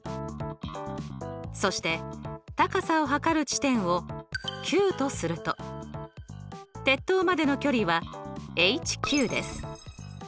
そして高さを測る地点をＱとすると鉄塔までの距離はＨＱです。